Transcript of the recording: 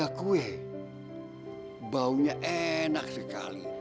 kue baunya enak sekali